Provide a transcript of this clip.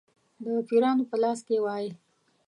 د پیرانو په لاس کې وای.